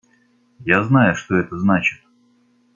Я знаю, что это значит.